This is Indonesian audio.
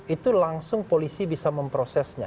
itu langsung polisi bisa memprosesnya